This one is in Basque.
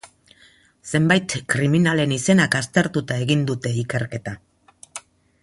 Zenbait kriminalen izenak aztertuta egin dute ikerketa.